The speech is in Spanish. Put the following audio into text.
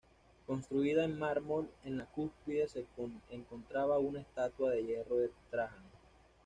Construida en mármol, en la cúspide se encontraba una estatua en hierro de Trajano.